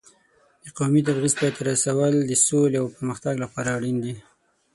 د قومي تبعیض پای ته رسول د سولې او پرمختګ لپاره اړین دي.